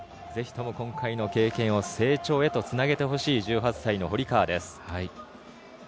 是非とも今回の経験を成長へとつなげてほしい１８歳の堀川です。